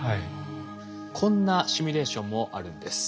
こんなシミュレーションもあるんです。